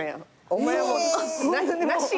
「お前はもうなし！」